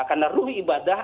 karena ruhi ibadah